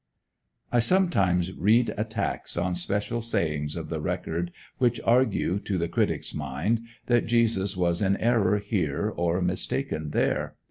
I sometimes read attacks on special sayings of the record, which argue, to the critic's mind, that Jesus was in error here, or mistaken there.